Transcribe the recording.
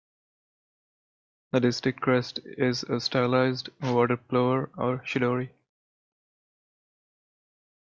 The district crest is a stylized water plover or "chidori".